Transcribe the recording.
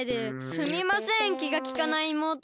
すみませんきがきかないいもうとで。